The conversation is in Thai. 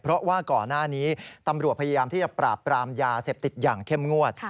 เพราะว่าก่อนหน้านี้ตำรวจพยายามที่จะปราบปรามยาเสพติดอย่างเข้มงวด